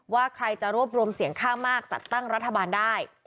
ว่าใครจะรวบรวมเสียงข้างมากจัดตั้งรัฐบาลได้